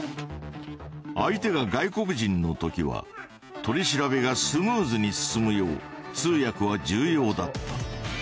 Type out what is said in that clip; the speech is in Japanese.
相手が外国人のときは取り調べがスムーズに進むよう通訳は重要だった。